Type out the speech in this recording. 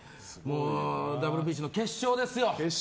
ＷＢＣの決勝ですよ。